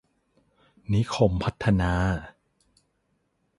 นิคมพัฒนา